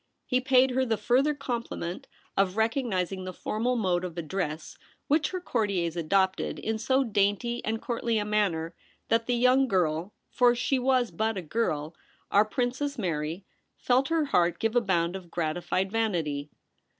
He paid her the further compliment of recognising the formal mode of address which her courtiers adopted, in so dainty and courtly a manner that the young girl — for she was but a girl, our Princess Mary — felt her heart give a bound of gratified vanity.